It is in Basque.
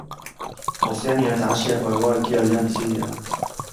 Ozeania eta Asiako hego-ekialdean bizi dira.